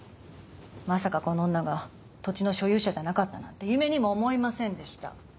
まさかこの女が土地の所有者じゃなかったなんて夢にも思いませんでした。